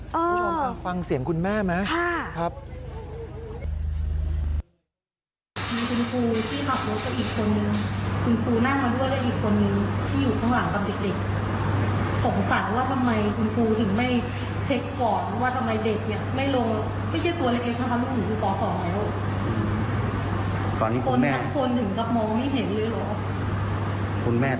ยอมกลับฟังเสียงคุณแม่ไหมครับอ๋อครับ